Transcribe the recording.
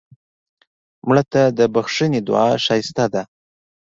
مړه ته د بښنې دعا ښایسته ده